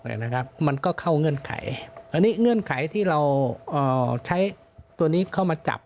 นะครับมันก็เข้าเงื่อนไขอันนี้เงื่อนไขที่เราใช้ตัวนี้เข้ามาจับ